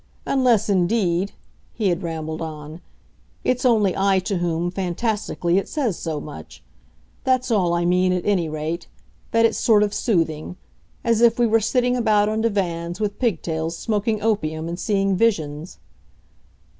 Unless indeed," he had rambled on, "it's only I to whom, fantastically, it says so much. That's all I mean, at any rate that it's sort of soothing; as if we were sitting about on divans, with pigtails, smoking opium and seeing visions.